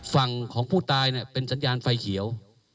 ฝั่งของผู้ตายเป็นสัญญาณไฟเขียว